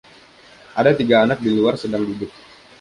Ada tiga anak di luar sedang duduk.